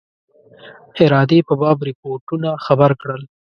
ارادې په باب رپوټونو خبر کړل.